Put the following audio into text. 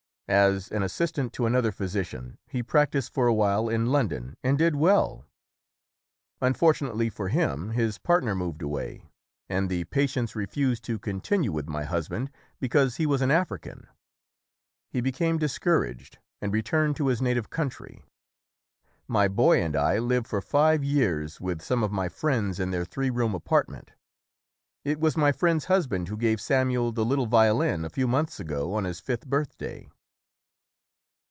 As an assistant to another physician, he practiced for a while in London and did well. "Unfortunately for him, his partner moved away and the patients refused to continue with my husband because he was an African. He be came discouraged and returned to his native coun try. My boy and I lived for five years with some of my friends in their three room apartment. It was my friend's husband who gave Samuel the little violin a few months ago on his fifth birthday."